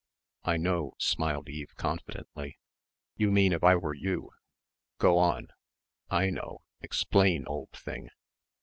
"I know," smiled Eve confidently. "You mean if I were you. Go on. I know. Explain, old thing."